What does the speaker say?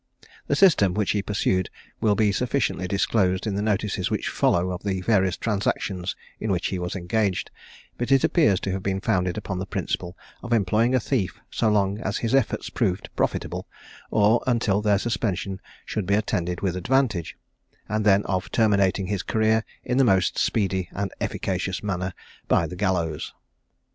The system which he pursued will be sufficiently disclosed in the notices which follow of the various transactions in which he was engaged; but it appears to have been founded upon the principle of employing a thief so long as his efforts proved profitable, or until their suspension should be attended with advantage, and then of terminating his career in the most speedy and efficacious manner, by the gallows.